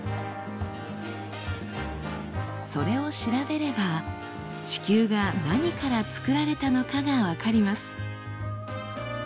それを調べれば地球が何から作られたのかが分かります。